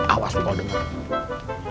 awas lu kalo dengerin